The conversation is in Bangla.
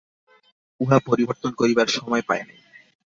উহা পরিবর্তন করিবার সময় পায় নাই।